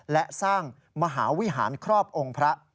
และสร้างมหาวิหารครอบองค์พระ